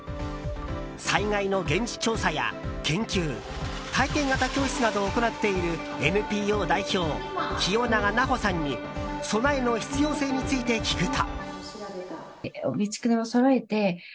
災害の現地調査や研究体験型教室などを行っているＮＰＯ代表、清永奈穂さんに備えの必要性について聞くと。